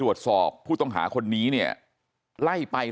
ทำให้สัมภาษณ์อะไรต่างนานไปออกรายการเยอะแยะไปหมด